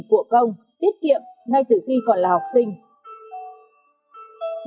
của công tiết kiệm ngay từ khi còn là học sinh